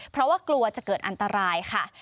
เพราะว่ากลัวจะเกิดอันตรายค่ะ